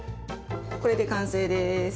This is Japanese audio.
これで完成です。